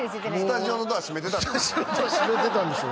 スタジオのドア閉めてたんでしょ